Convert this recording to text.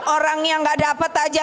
orang yang gak dapat aja